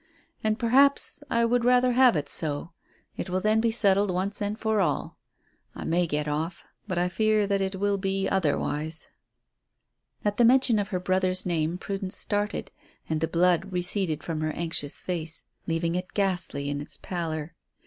And perhaps I would rather have it so. It will then be settled once and for all. I may get off, but I fear that it will be otherwise." At the mention of her brother's name, Prudence started, and the blood receded from her anxious face, leaving it ghastly in its pallor.